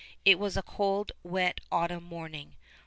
It was a cold, wet autumn morning.